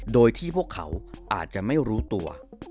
โดยที่พวกเขาอาจจะไม่รู้ตัว